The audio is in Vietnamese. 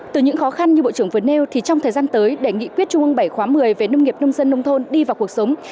từ những khó khăn như bộ trưởng vừa nêu thì trong thời gian tới để nghị quyết trung ương bảy khóa một mươi về nông nghiệp nông dân nông thôn đi vào cuộc sống